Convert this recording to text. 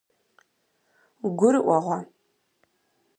ГурыӀуэгъуэ?